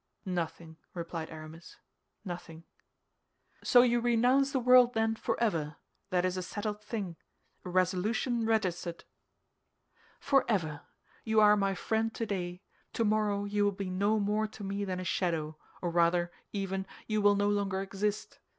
"Nothing," replied Aramis, "nothing." "So you renounce the world, then, forever; that is a settled thing—a resolution registered!" "Forever! You are my friend today; tomorrow you will be no more to me than a shadow, or rather, even, you will no longer exist.